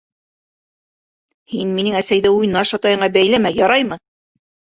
Һин минең әсәиҙе уйнаш атайыңа бәйләмә, яраймы!